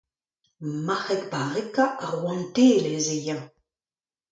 Marc'heg barrekañ ar rouantelezh eo eñ.